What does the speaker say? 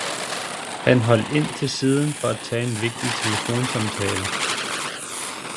Han holdt ind til siden for at tage en vigtig telefonsamtale.